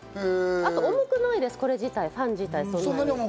あと重くないです、これ自体、ファン自体。